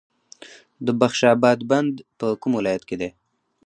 د بخش اباد بند په کوم ولایت کې دی؟